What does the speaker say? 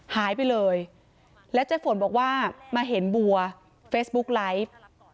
หายไปเลยแล้วเจ๊ฝนบอกว่ามาเห็นบัวเฟซบุ๊กไลฟ์